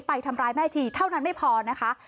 ไปทำร้ายแม่ชีเท่านั้นไม่พอนะคะ